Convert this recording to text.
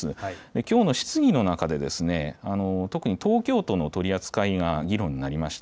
きょうの質疑の中で、特に東京都の取り扱いが議論になりました。